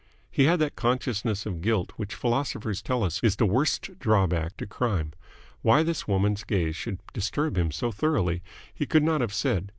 He had that consciousness of guilt which philosophers tell is the worst drawback to crime. Why this woman's gaze should disturb him so thoroughly, he could not have said.